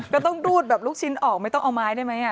ก็ต้องรูดแบบลูกชิ้นออกไม่ต้องเอาไม้ได้ไหม